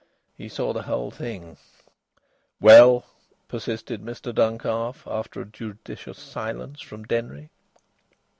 He saw the whole thing. "Well?" persisted Mr Duncalf, after a judicious silence from Denry.